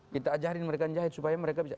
kita ajarin mereka menjahit supaya mereka bisa